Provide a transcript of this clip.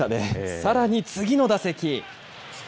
さらに次の打席。